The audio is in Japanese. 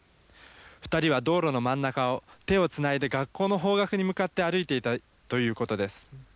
２人は道路の真ん中を手をつないで学校の方角に向かって歩いていたということです。